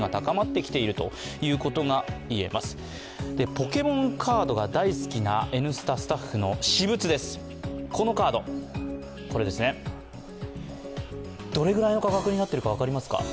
ポケモンカードが大好きな「Ｎスタ」スタッフの私物です、このカード、どれぐらいの価格になってるか分かりますか？